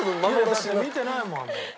だって見てないもん。